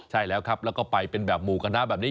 ใช่แล้วครับแล้วก็ไปเป็นแบบหมู่คณะแบบนี้